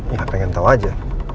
ya pengen tahu aja